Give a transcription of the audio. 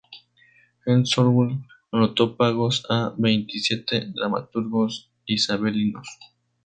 Henslowe anotó pagos a veintisiete dramaturgos isabelinos.